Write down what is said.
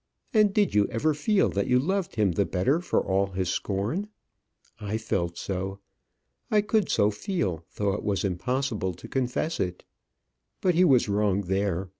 and did you ever feel that you loved him the better for all his scorn? I felt so. I could so feel, though it was impossible to confess it. But he was wrong there.